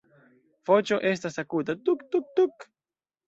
Voĉo estas akuta "tuk-tuk-tuk".